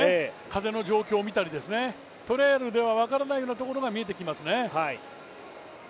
風の状況を見たり、トレイルでは分からないようなところが見えてきますね。